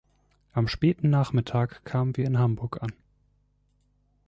Am späten Nachmittag kamen wir in Hamburg an.